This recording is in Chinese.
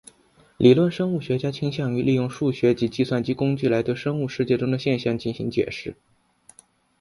理论生物学家倾向于利用数学及计算机工具来对生物世界中的现象进行解释。